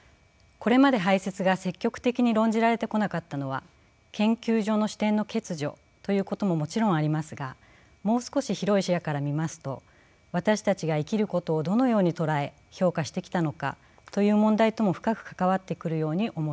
これまで排泄が積極的に論じられてこなかったのは研究上の視点の欠如ということももちろんありますがもう少し広い視野から見ますと私たちが生きることをどのように捉え評価してきたのかという問題とも深く関わってくるように思います。